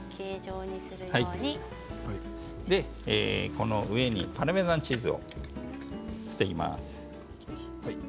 この上にパルメザンチーズを振っていきます。